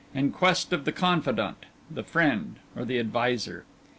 in quest of the confidant, the friend, or the adviser.